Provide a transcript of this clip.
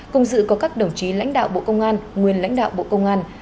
cùng dự có các đồng chí lãnh đạo bộ công an nguyên lãnh đạo bộ công an